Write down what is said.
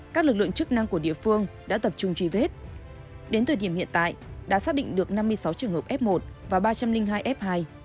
các lực lượng chức năng của địa phương đã tập trung truy vết đến thời điểm hiện tại đã xác định được năm mươi sáu trường hợp f một và ba trăm linh hai f hai